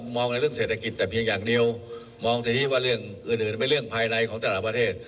มองสิทธิว่าเรื่องอื่นเป็นเรื่องภายในของแต่ละประเทศ